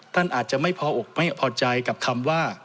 ท่านอาจจะไม่พออกไม่พอใจกับคำว่า